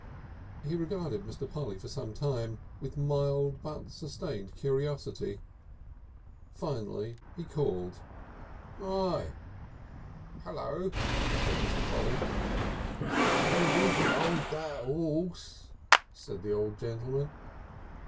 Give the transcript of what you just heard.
He regarded Mr. Polly for some time with mild but sustained curiosity. Finally he called: "Hi!" "Hullo!" said Mr. Polly. "You needn't 'old that 'orse," said the old gentleman.